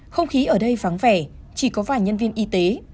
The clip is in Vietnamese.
không khí ở đây vắng vẻ chỉ có vài nhân viên y tế